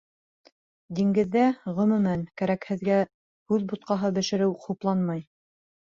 Диңгеҙҙә, ғөмүмән, кәрәкһеҙгә һүҙ бутҡаһы бешереү хупланмай.